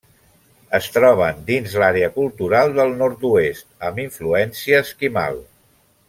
Es troben dins l'àrea cultural del Nord-oest amb influència esquimal.